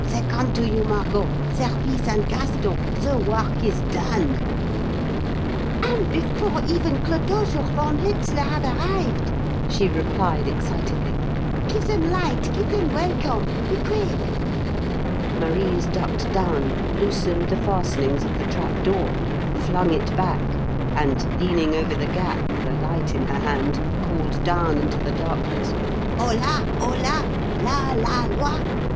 They come to you, Margot Serpice and Gaston. The work is done." "And before even Clodoche or von Hetzler have arrived!" she replied excitedly. "Give them light, give them welcome. Be quick!" Marise ducked down, loosened the fastenings of the trap door, flung it back, and, leaning over the gap with a light in her hand, called down into the darkness, "Hola! Hola! La! la! loi!